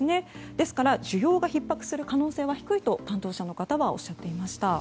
ですから、需要がひっ迫する可能性は低いと担当者の方はおっしゃっていました。